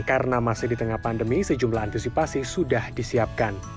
karena masih di tengah pandemi sejumlah antisipasi sudah disiapkan